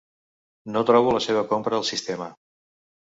No trobo la seva compra al sistema.